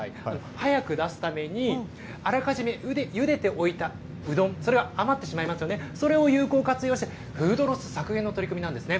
早く出すために、あらかじめゆでておいたうどん、それが余ってしまいますよね、それを有効活用して、フードロス削減の取り組みなんですね。